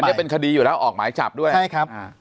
จะเป็นคดีอยู่แล้วออกหมายจับด้วยใช่ครับอ่า